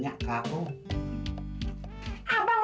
yang mata keranjang sih